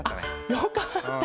よかった。